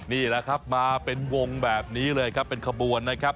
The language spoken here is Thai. นี่แหละครับมาเป็นวงแบบนี้เลยครับเป็นขบวนนะครับ